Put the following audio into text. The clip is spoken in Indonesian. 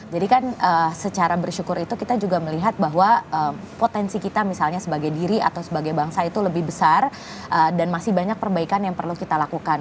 jadi kan secara bersyukur itu kita juga melihat bahwa potensi kita misalnya sebagai diri atau sebagai bangsa itu lebih besar dan masih banyak perbaikan yang perlu kita lakukan